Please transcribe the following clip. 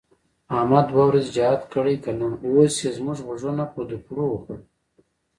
احمد دوه ورځې جهاد کړی که نه، اوس یې زموږ غوږونه په دوپړو وخوړل.